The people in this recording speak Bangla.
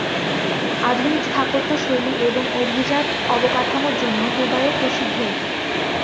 আধুনিক স্থাপত্য শৈলী এবং অভিজাত অবকাঠামোর জন্য দুবাইয়ে প্রসিদ্ধ এটি।